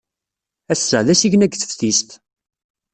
Ass-a, d asigna deg teftist.